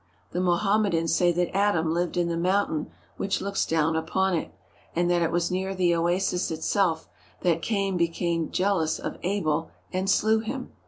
The Mohammedans say that Adam lived in the mountain which looks down upon it, and that it was near the oasis itself that Cain became jealous of Abel and slew him.